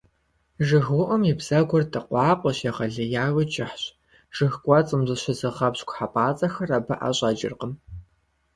ЖыгыуIум и бзэгур дыкъуакъуэщ, егъэлеяуи кIыхьщ. Жыг кIуэцIым зыщызыгъэпщкIу хьэпIацIэхэр абы IэщIэкIыркъым.